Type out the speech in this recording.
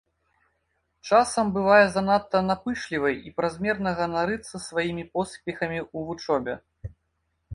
Часам бывае занадта напышлівай і празмерна ганарыцца сваімі поспехамі ў вучобе.